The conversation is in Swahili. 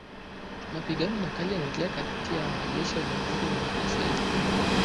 Mapigano makali yanaendelea kati ya wanajeshi wa jamuhuri ya kidemokrasia ya Kongo